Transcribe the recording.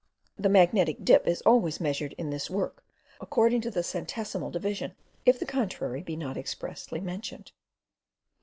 The magnetic dip is always measured in this work, according to the centesimal division, if the contrary be not expressly mentioned.